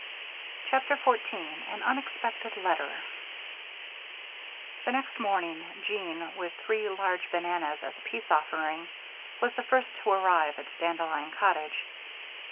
CHAPTER 14 An Unexpected Letter The next morning, Jean, with three large bananas as a peace offering, was the first to arrive at Dandelion Cottage.